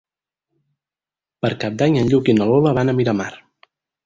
Per Cap d'Any en Lluc i na Lola van a Miramar.